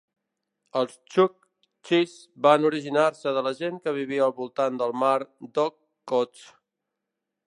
Els txuktxis van originar-se de la gent que vivia al voltant del mar d'Okhotsk.